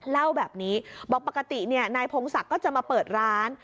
เล่าแบบนี้บอกปกตินายพงศักดิ์ก็จะมาเปิดร้าน